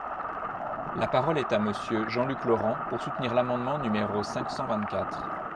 La parole est à Monsieur Jean-Luc Laurent, pour soutenir l’amendement numéro cinq cent vingt-quatre.